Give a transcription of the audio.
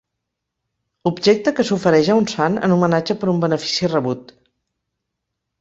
Objecte que s'ofereix a un sant en homenatge per un benefici rebut.